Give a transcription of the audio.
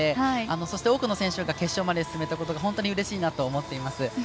そして多くの選手が決勝まで進めたことが本当にうれしいなと思っています。